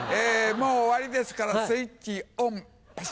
もう終わりですからスイッチオンパシっ。